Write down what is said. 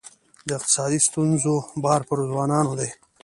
د اقتصادي ستونزو بار پر ځوانانو دی.